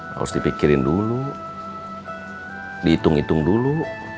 harus dipikirin dulu dihitung hitung dulu